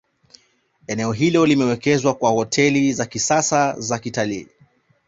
Eneo hili limewekezwa kwa hoteli za kisasa na zakitalii